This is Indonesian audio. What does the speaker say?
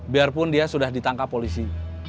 biarpun dia sudah ditangkap polisi